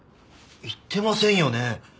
言ってませんよね。